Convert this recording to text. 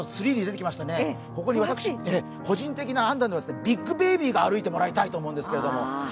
ここに私、個人的な案ですがビッグベイビーが歩いてもらいたいと思いますけど。